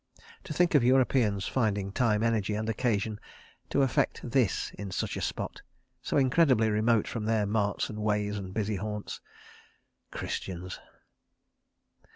To think of Europeans finding time, energy, and occasion to effect this in such a spot, so incredibly remote from their marts and ways and busy haunts! Christians!